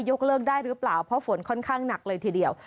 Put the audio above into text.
กเลิกได้หรือเปล่าเพราะฝนค่อนข้างหนักเลยทีเดียว